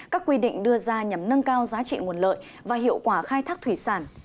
các quy định đưa ra nhằm nâng cao giá trị nguồn lợi và hiệu quả khai thác thủy sản